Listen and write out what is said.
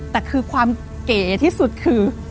แต่คือความเก๋ที่สุดคือ